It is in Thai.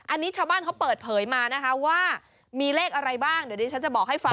อันนี้ชาวบ้านเขาเปิดเผยมานะคะว่ามีเลขอะไรบ้างเดี๋ยวดิฉันจะบอกให้ฟัง